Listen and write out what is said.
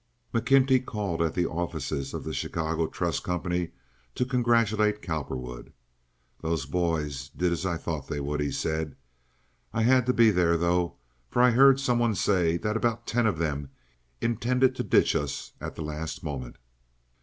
McKenty called at the offices of the Chicago Trust Company to congratulate Cowperwood. "The boys did as I thought they would," he said. "I had to be there, though, for I heard some one say that about ten of them intended to ditch us at the last moment."